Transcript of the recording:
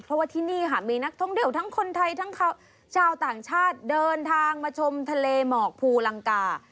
เพราะว่าที่นี่ค่ะมีนักท่องเที่ยวทั้งคนไทยทั้งชาวต่างชาติเดินทางมาชมทะเลหมอกภูลังกา